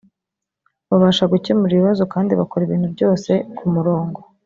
babasha gukemura ibibazo kandi bakora ibintu bvyose ku murongo